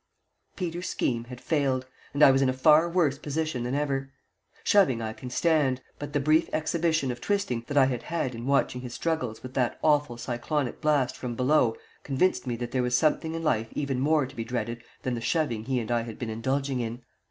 Peters's scheme had failed, and I was in a far worse position than ever. Shoving I can stand, but the brief exhibition of twisting that I had had in watching his struggles with that awful cyclonic blast from below convinced me that there was something in life even more to be dreaded than the shoving he and I had been indulging in.